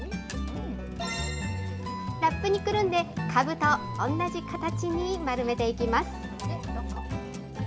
ラップにくるんでかぶと同じ形に丸めていきます。